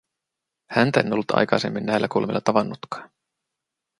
Häntä en ollut aikaisemmin näillä kulmilla tavannutkaan.